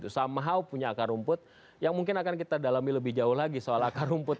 somehow punya akar rumput yang mungkin akan kita dalami lebih jauh lagi soal akar rumput